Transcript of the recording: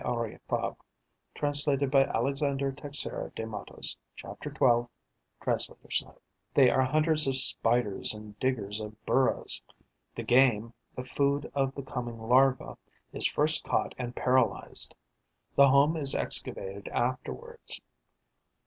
Henri Fabre, translated by Alexander Teixeira de Mattos: chapter 12. Translator's Note.) They are hunters of Spiders and diggers of burrows. The game, the food of the coming larva, is first caught and paralysed; the home is excavated afterwards.